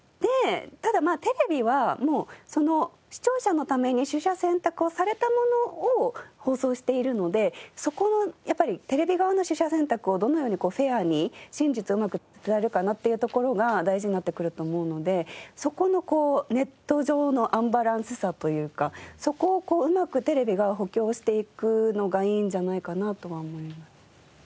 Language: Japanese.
ただテレビは視聴者のために取捨選択をされたものを放送しているのでそこをテレビ側の取捨選択をどのようにフェアに真実をうまく伝えられるかなっていうところが大事になってくると思うのでそこのネット上のアンバランスさというかそこをうまくテレビが補強していくのがいいんじゃないかなとは思います。